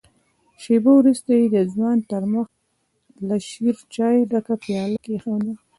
شېبه وروسته يې د ځوان تر مخ له شيرچايه ډکه پياله کېښوده.